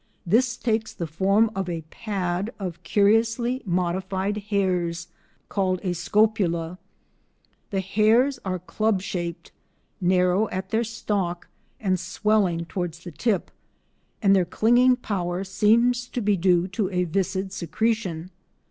This takes the form of a pad of curiously modified hairs, called a scopula. The hairs are club shaped, narrow at their stalk and swelling towards the tip, and their clinging power seems to be due to a viscid secretion.